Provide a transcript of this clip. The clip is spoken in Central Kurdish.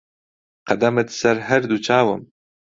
قەدەمت سەر هەر دوو چاوم